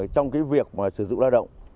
trong cái việc mà sử dụng lao động